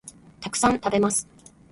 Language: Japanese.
たくさん、食べます